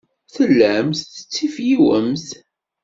Tellamt tettifliwemt.